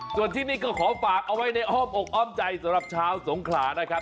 ส่วนที่นี่ก็ขอฝากเอาไว้ในอ้อมอกอ้อมใจสำหรับชาวสงขลานะครับ